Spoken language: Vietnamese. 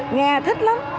nghe thích lắm